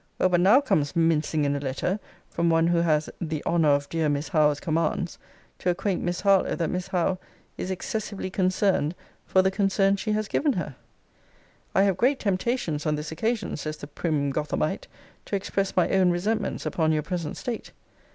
Well, but now comes mincing in a letter, from one who has 'the honour of dear Miss Howe's commands'* to acquaint Miss Harlowe, that Miss Howe is 'excessively concerned for the concern she has given her.' * See Vol. IV. Letter XII. 'I have great temptations, on this occasion,' says the prim Gothamite, 'to express my own resentments upon your present state.'